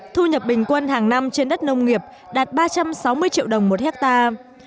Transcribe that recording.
thu nhập bình quân hàng năm trên đất nông nghiệp đạt ba trăm sáu mươi triệu đồng một hectare